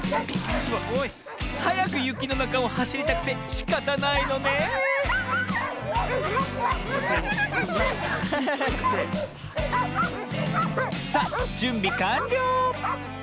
はやくゆきのなかをはしりたくてしかたないのねえさあじゅんびかんりょう！